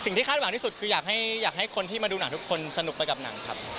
คาดหวังที่สุดคืออยากให้คนที่มาดูหนังทุกคนสนุกไปกับหนังครับ